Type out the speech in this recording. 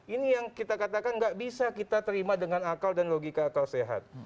ini yang kita katakan nggak bisa kita terima dengan akal dan logika akal sehat